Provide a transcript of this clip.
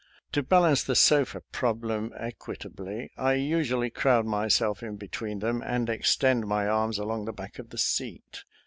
To balance the sofa problem equi tably, I usually crowd myself in between them and extend my arms along the back of the seat.